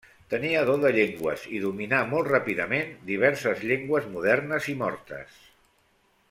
Tenia do de llengües i dominà molt ràpidament diverses llengües modernes i mortes.